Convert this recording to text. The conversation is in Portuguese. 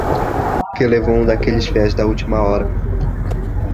que levou um daqueles fiéis da última hora